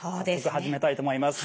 早速始めたいと思います。